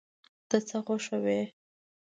ته څه خوښوې؟